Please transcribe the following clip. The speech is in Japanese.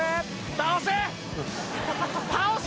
倒せ！